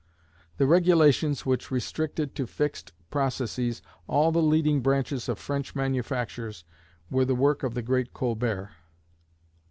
The regulations which restricted to fixed processes all the leading branches of French manufactures were the work of the great Colbert.